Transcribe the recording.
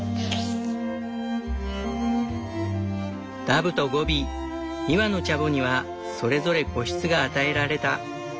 ダブとゴビ２羽のチャボにはそれぞれ個室が与えられた。